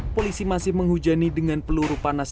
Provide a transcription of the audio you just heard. polisi masih menghujani dengan peluru panas